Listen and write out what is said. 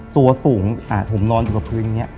ตัวสูงผมนอนอยู่กับพื้นอย่างนี้